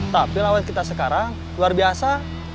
tapi lawan kita sekarang luar biasa